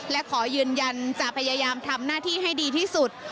และขอยืนยันจะพยายามทำหน้าที่ให้ดีที่สุด